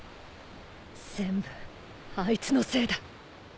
全部あいつのせいだ。